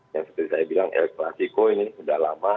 yang seperti saya bilang elpasiko ini sudah lama